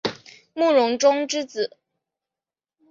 慕容忠之子。